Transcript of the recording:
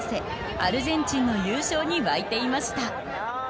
アルゼンチンの優勝に沸いていました。